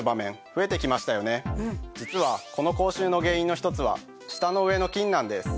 実はこの口臭の原因の１つは舌の上の菌なんです。